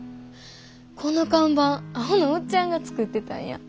この看板アホのおっちゃんが作ってたんや。